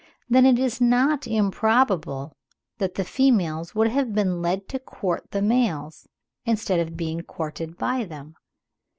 —then it is not improbable that the females would have been led to court the males, instead of being courted by them.